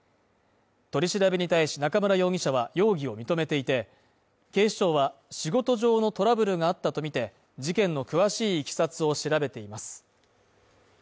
取り調べに対し中村容疑者は容疑を認めていて警視庁は仕事上のトラブルがあったとみて、事件の詳しいいきさつを調べています。